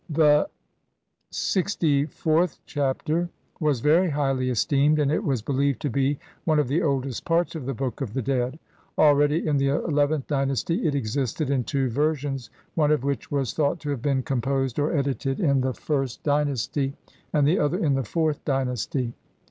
The LXIVth Chapter was very highly esteemed, and it was believed to be one of the oldest parts of the Book of the Dead. Already in the eleventh dy nasty it existed in two versions, one of which was thought to have been composed or edited in the first THE OBJECT AND CONTENTS, ETC. CLXXIII dynasty, and the other in the fourth dynasty.